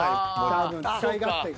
多分使い勝手が。